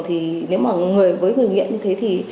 thì nếu mà người với người nghiện như thế thì